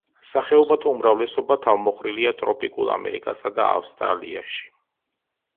სახეობათა უმრავლესობა თავმოყრილია ტროპიკულ ამერიკასა და ავსტრალიაში.